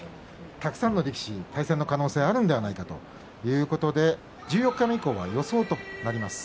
たくさんの力士、対戦の可能性があるのではないかということで十四日目以降は予想となります。